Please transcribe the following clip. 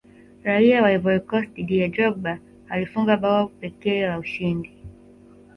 raia wa ivory coast didier drogba alifunga bao pekee la ushindi